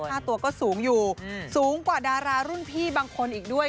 ค่าตัวก็สูงอยู่สูงกว่าดารารุ่นพี่บางคนอีกด้วย